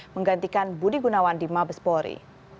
menggantikan budi gunawan di mabespori